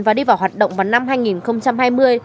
và đi vào hoạt động vào năm hai nghìn hai mươi